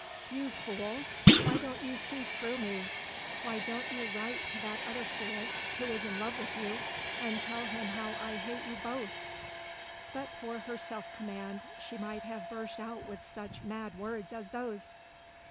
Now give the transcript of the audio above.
"You fool, why don't you see through me? Why don't you write to that other fool who is in love with you, and tell him how I hate you both?" But for her self command, she might have burst out with such mad words as those.